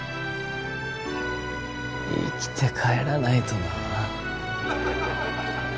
生きて帰らないとな。